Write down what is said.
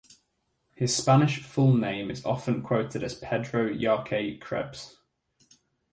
His Spanish full name is often quoted as Pedro Jarque Krebs.